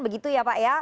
begitu ya pak